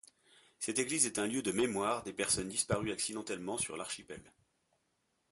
Cette église est un lieu de mémoire des personnes disparues accidentellement sur l’archipel.